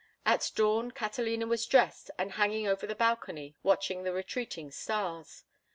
At dawn Catalina was dressed and hanging over the balcony watching the retreating stars.